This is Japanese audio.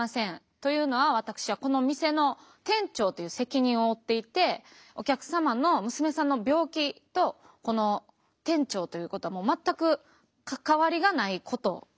というのは私はこの店の店長という責任を負っていてお客様の娘さんの病気とこの店長ということは全く関わりがないことです。